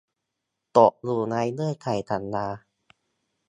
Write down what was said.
ตกอยู่ในเงื่อนไขสัญญา